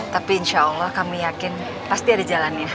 tapi insya allah kami yakin pasti ada jalannya